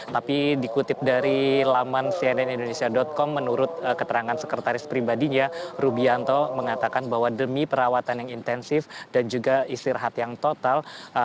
tapi dikutip dari laman cnnindonesia com menurut keterangan sekretaris pribadinya rubianto mengatakan bahwa demi perawatan yang intensif dan juga istirahat yang total